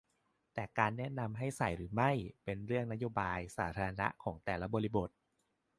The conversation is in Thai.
แต่การแนะนำให้ใส่หรือไม่เป็นเรื่องนโยบายสาธารณะของแต่ละบริบท